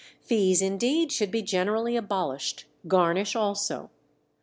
Fees indeed should be generally abolished, garnish also.